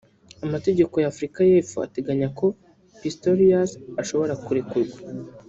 Amategeko ya Afurika y’ Epfo ateganya ko Pistorius ashobora kurekurwa